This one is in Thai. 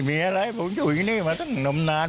มีอะไรผมอยู่อย่างนี้มาตั้งนาน